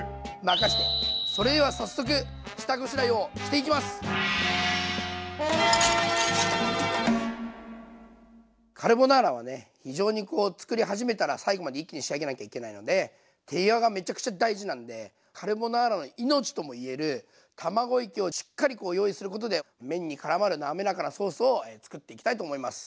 それでは早速カルボナーラはね非常にこう作り始めたら最後まで一気に仕上げなきゃいけないので手際がめちゃくちゃ大事なんでカルボナーラの命ともいえる卵液をしっかり用意することで麺にからまるなめらかなソースを作っていきたいと思います。